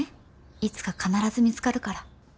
いつか必ず見つかるから。